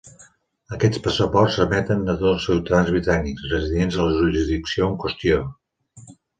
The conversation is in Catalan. Aquests passaports s'emeten a tots el ciutadans britànics residents a la jurisdicció en qüestió.